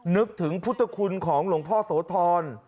นึกถึงพุทธคุณของหลวงพ่อโสธร